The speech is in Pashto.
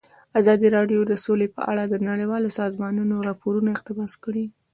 ازادي راډیو د سوله په اړه د نړیوالو سازمانونو راپورونه اقتباس کړي.